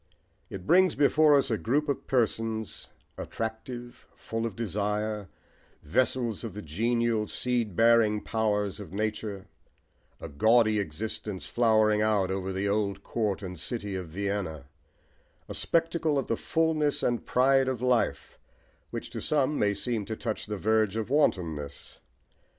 It brings before us a group of persons, attractive, full of desire, vessels of the genial, seed bearing powers of nature, a gaudy existence flowering out over the old court and city of Vienna, a spectacle of the fulness and pride of life which to some may seem to touch the verge of wantonness.